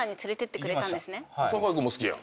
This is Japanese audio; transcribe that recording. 酒井君も好きやん。